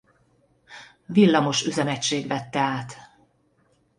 Villamos Üzemegység vette át.